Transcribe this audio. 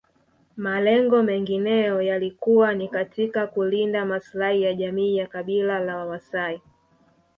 Malengo mengineyo yalikuwa ni katika kulinda maslahi ya jamii ya kabila la Wamaasai